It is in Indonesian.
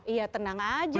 iya tenang aja